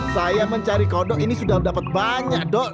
saya mencari kodok ini sudah dapat banyak dok